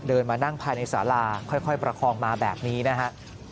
เดินมานั่งภายในสาราค่อยประคองมาแบบนี้นะฮะ